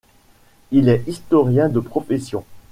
Il est historien de profession.